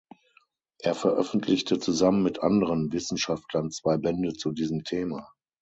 Er veröffentlichte zusammen mit anderen Wissenschaftlern zwei Bände zu diesem Thema.